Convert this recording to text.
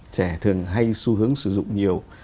trẻ thường hay xu hướng sử dụng nhiều